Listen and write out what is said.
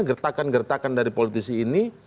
gertakan gertakan dari politisi ini